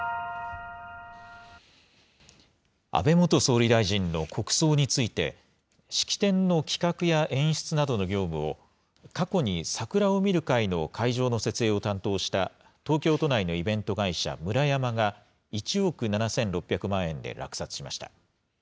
安倍元総理大臣の国葬について、式典の企画や演出などの業務を、過去に桜を見る会の会場の設営を担当した東京都内のイベント会社、ムラヤマが１億７６００万円で落札しました。